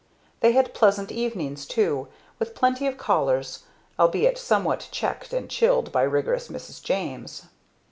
They had pleasant evenings too, with plenty of callers, albeit somewhat checked and chilled by rigorous Mrs. James.